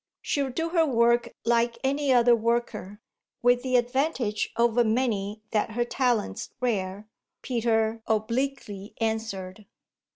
"She'll do her work like any other worker, with the advantage over many that her talent's rare," Peter obliquely answered.